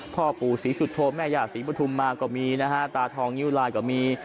พ่อปู่ศรีสุโธแม่ย่าศรีปฐุมมาก็มีนะฮะตาทองนิ้วลายก็มี